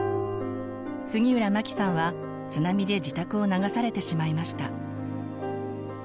杉浦真希さんは津波で自宅を流されてしまいました。